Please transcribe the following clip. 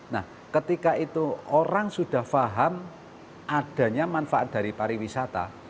nah ketika itu orang sudah paham adanya manfaat dari pariwisata